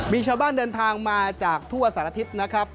มีชาวบ้านเดินทางมาจากทั่วสารทิศนะครับ